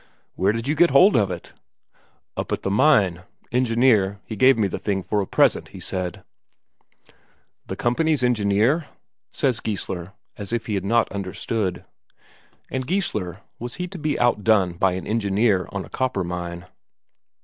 "Where did you get hold of it?" "Up at the mine. Engineer, he gave me the thing for a present, he said." "The company's engineer?" says Geissler, as if he had not understood. And Geissler, was he to be outdone by an engineer on a copper mine?